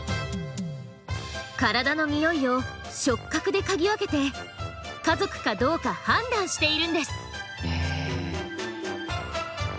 体の匂いを触角で嗅ぎ分けて家族かどうか判断しているんです。